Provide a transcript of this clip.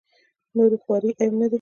نورې خوارۍ عیب نه دي.